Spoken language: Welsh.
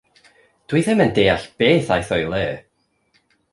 Dw i ddim yn deall beth aeth o'i le.